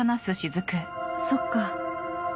そっか。